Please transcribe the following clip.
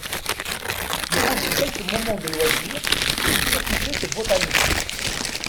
Durant ses quelques moments de loisirs, il s'occupait de botanique.